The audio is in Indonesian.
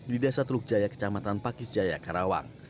di desa teluk jaya kecamatan pakis jaya karawang